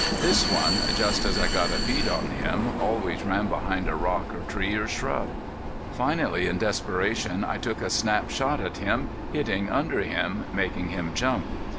This one, just as I got a bead on him, always ran behind a rock or tree or shrub. Finally in desperation I took a snap shot at him, hitting under him, making him jump.